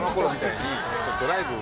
ドライブ？